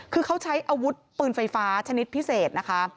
คือเขาใช้อาวุธปืนไฟฟ้าชนิดพิเศษนะคะ